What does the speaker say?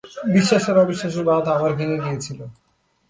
বিশ্বাস আর অবিশ্ববাসের বাঁধ আমার ভেঙে গিয়েছিল।